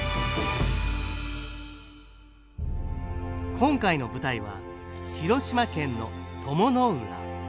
今回の舞台は広島県の鞆の浦。